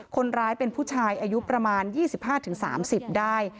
คนร้ายเป็นผู้ชายอายุประมาณ๒๕๓๐ได้